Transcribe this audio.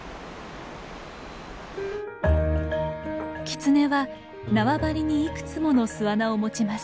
キツネは縄張りにいくつもの巣穴を持ちます。